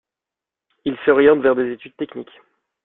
Il s'oriente vers des études techniques.